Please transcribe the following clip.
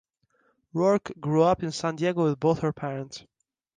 Rourke grew up in San Diego with both her parents.